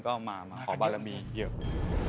ก็เอามาขอบารมีเกี่ยวกัน